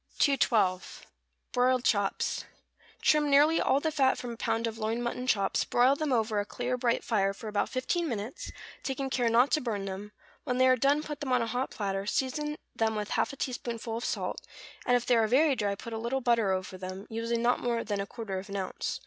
212. =Broiled Chops.= Trim nearly all the fat from a pound of loin mutton chops, broil them over a clear, bright fire for about fifteen minutes, taking care not to burn them; when they are done put them on a hot platter, season them with half a teaspoonful of salt, and if they are very dry put a little butter over them, using not more than a quarter of an ounce.